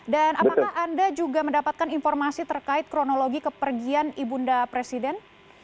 dan apakah anda juga mendapatkan informasi terkait kronologi kepergian ibu nda presiden